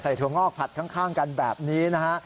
ถั่วงอกผัดข้างกันแบบนี้นะฮะ